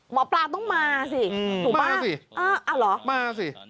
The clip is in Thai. หมอปลาต้องมาสิถูกป่ะอ้าวเหรอมาสิมาสิ